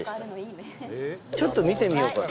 ちょっと見てみようか。